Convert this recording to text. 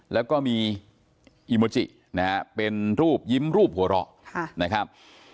แล้วก็มีอีโมจินะฮะเป็นรูปยิ้มรูปหัวเราะนะครับ